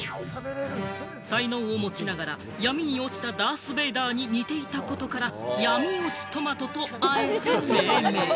才能を持ちながら闇に落ちたダース・ベイダーに似ていたことから、闇落ちとまととあえて命名。